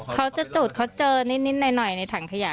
เขาจะจุดเขาเจอนิดหน่อยในถังขยะ